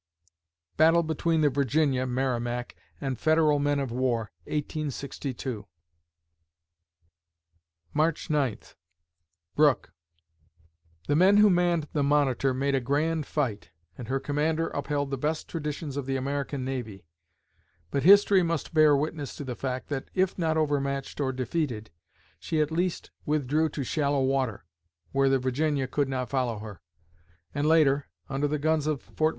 Battle between the "Virginia" ("Merrimac") and Federal men of war, 1862 March Ninth BROOKE The men who manned the Monitor made a grand fight, and her commander upheld the best traditions of the American navy; but history must bear witness to the fact that, if not overmatched or defeated, she at least withdrew to shallow water, where the Virginia could not follow her; and later, under the guns of Ft.